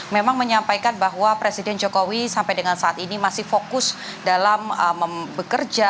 memang menyampaikan bahwa presiden jokowi sampai dengan saat ini masih fokus dalam bekerja